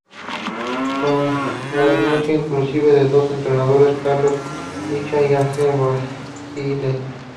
Con la renuncia inclusive de dos entrenadores Carlos Ischia y Alfio Basile.